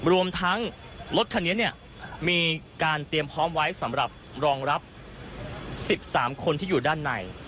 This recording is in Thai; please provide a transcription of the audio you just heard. รวมทั้งรถคันนี้มีการเตรียมพร้อมไว้สำหรับรองรับ๑๓คนที่อยู่ด้านใน